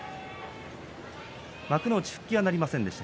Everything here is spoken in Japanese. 幕内復帰はなりませんでした。